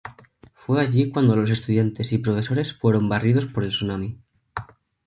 Fue allí cuando los estudiantes y profesores fueron barridos por el Tsunami.